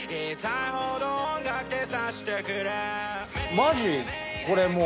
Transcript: マジこれもう。